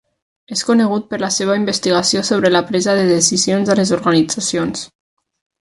És conegut per la seva investigació sobre la presa de decisions a les organitzacions.